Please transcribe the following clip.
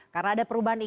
karena ada perubahan iklim